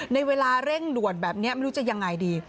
ในเวลาเร่งด่วนแบบนี้ไม่รู้จะยังไงดี